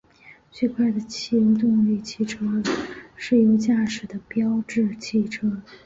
最快的汽油动力汽车是由驾驶的标致汽车。